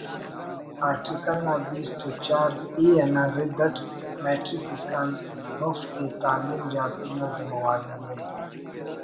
آرٹیکل نا بیست و چار-A نا ردا ٹ میٹرک اسکان مفت ءِ تعلیم ریاست نا زمواری ءِ